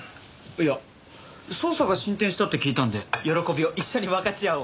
いや捜査が進展したって聞いたんで喜びを一緒に分かち合おうかと。